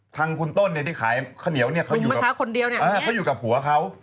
ทางคุณต้นที่ขายข้าเหนียวเขาอยู่กับหัวเขา